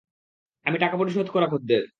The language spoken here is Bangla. আমি টাকা পরিশোধ করা খদ্দের।